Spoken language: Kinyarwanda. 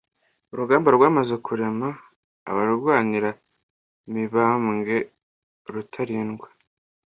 Urugamba rwamaze kurema, abarwanira Mibambwe Rutalindwa